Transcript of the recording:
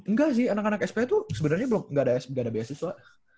nggak sih anak anak sph tuh sebenernya belum ga ada beasiswa